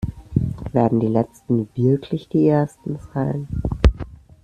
Werden die Letzten wirklich die Ersten sein?